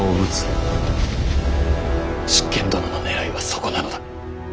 執権殿のねらいはそこなのだ。